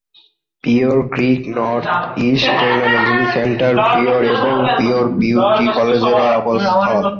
Pierre Creek Northeast Technology Center Pryor এবং Pryor beauty কলেজেরও আবাসস্থল।